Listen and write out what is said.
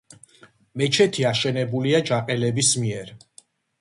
მეჩეთი აშენებულია ჯაყელების მიერ.